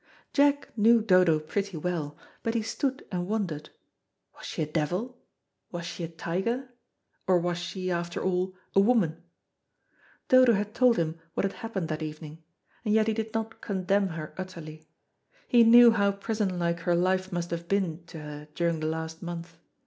Jack knew Dodo pretty well, but he stood and wondered. Was she a devil? was she a tiger? or was she, after all, a woman? Dodo had told him what had happened that evening, and yet he did not condemn her utterly. He knew how prison like her life must have been to her during the last month.